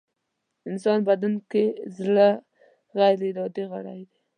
انسان بدن کې زړه غيري ارادې غړی دی.